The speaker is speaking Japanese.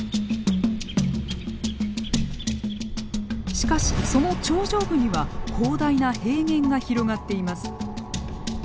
しかしその頂上部には広大な平原が広がっています。